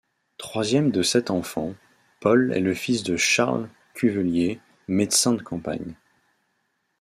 Troisième de sept enfants, Paul est le fils de Charles Cuvelier, médecin de campagne.